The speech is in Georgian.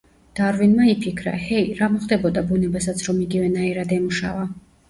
დარვინმა იფიქრა: ჰეი, რა მოხდებოდა ბუნებასაც, რომ იგივენაირად ემუშავა.